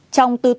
trong tư tưởng